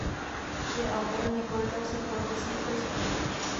Je autorem několika psychologických testů.